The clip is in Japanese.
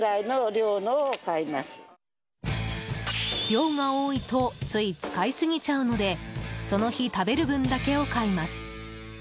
量が多いとつい使い過ぎちゃうのでその日食べる分だけを買います。